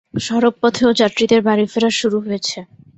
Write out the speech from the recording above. সড়কপথেও যাত্রীদের বাড়ি ফেরা শুরু হয়েছে।